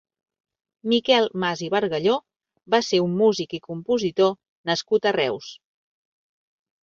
Miquel Mas i Bargalló va ser un músic i compositor nascut a Reus.